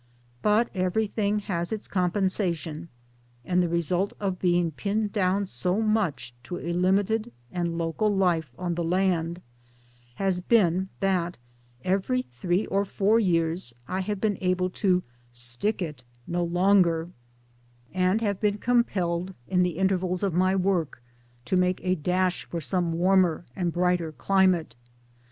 But every thing has its compensation, and the result of being pinned down so much to a limited and local life on the land has been that every three or four years I have been able to ' stick it ' no longer, and have $10 MY DAYS AND DREAMS been compelled in the intervals of my work to make a dash for some warmer and brighter climate.